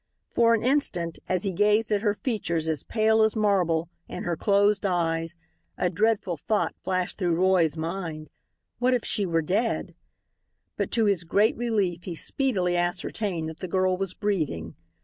For an instant, as he gazed at her features as pale as marble, and her closed eyes, a dreadful thought flashed across Roy's mind. What if she were dead? But to his great relief he speedily ascertained that the girl was breathing.